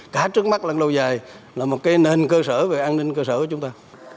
cả trước mắt lẫn lâu dài là một cái nền cơ sở về an ninh cơ sở của chúng ta